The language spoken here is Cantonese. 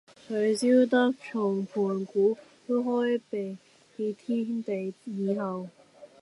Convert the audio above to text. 誰曉得從盤古開闢天地以後，